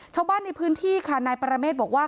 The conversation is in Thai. ชาวบ้านในพื้นที่ค่ะนายปรเมฆบอกว่า